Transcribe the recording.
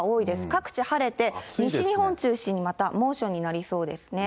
各地晴れて、西日本中心にまた猛暑になりそうですね。